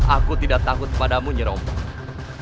aku tidak takut padamu nyerombong